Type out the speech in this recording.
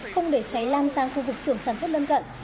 không để cháy lan sang khu vực xưởng sản xuất lân cận